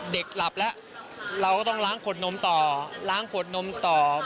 หลับแล้วเราก็ต้องล้างขวดนมต่อล้างขวดนมต่อ